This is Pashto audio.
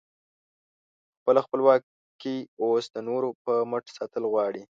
خپله خپلواکي اوس د نورو په مټ ساتل غواړې؟